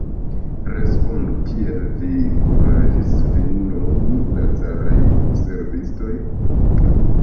Respondu, kiel vi kuraĝis vin nomi caraj servistoj?